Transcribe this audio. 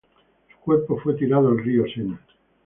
Su cuerpo fue tirado al Río Sena.